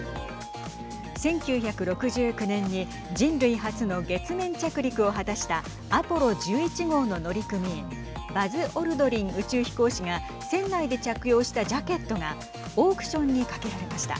１９６９年に人類初の月面着陸を果たしたアポロ１１号の乗組員バズ・オルドリン宇宙飛行士が船内で着用したジャケットがオークションにかけられました。